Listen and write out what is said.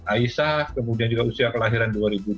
aisha kemudian juga usia kelahiran dua ribu dua